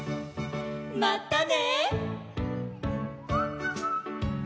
「またね」